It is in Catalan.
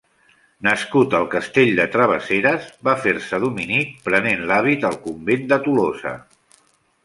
Nascut al castell de Travesseres, va fer-se dominic, prenent l'hàbit al convent de Tolosa.